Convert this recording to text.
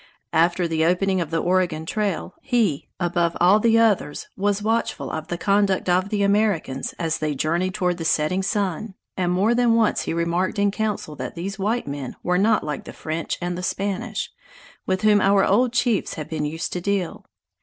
After the opening of the Oregon Trail he, above all the others, was watchful of the conduct of the Americans as they journeyed toward the setting sun, and more than once he remarked in council that these white men were not like the French and the Spanish, with whom our old chiefs had been used to deal.